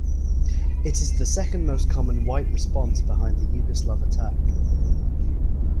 It is the second most common White response behind the Yugoslav Attack.